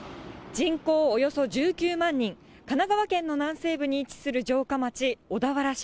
人口およそ１９万人、神奈川県の南西部に位置する城下町、小田原市。